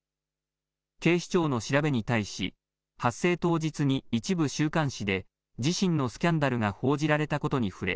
警視庁の調べに対し、発生当日に一部週刊誌で、自身のスキャンダルが報じられたことに触れ、